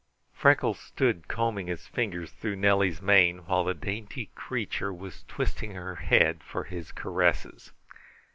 Freckles stood combing his fingers through Nellie's mane, while the dainty creature was twisting her head for his caresses.